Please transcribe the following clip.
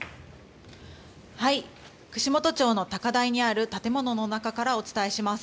串本町の高台にある建物の中からお伝えします。